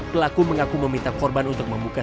pelaku mengaku meminta korban untuk membuka